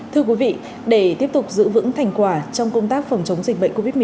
thưa quý vị để tiếp tục giữ vững thành quả trong công tác phòng chống dịch bệnh covid một mươi chín